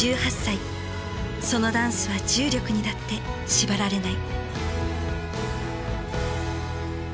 そのダンスは重力にだって縛られない。